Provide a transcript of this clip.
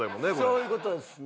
そういう事ですね。